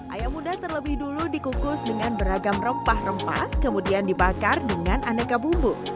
ayam muda terlebih dulu dikukus dengan beragam rempah rempah kemudian dibakar dengan aneka bumbu